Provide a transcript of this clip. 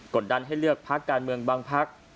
กดดั้นให้เลือกภักดิ์การเมืองบางภักดิ์